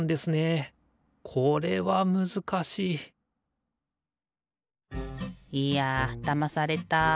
これはむずかしいいやだまされた。